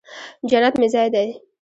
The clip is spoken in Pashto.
جنت مې ځای دې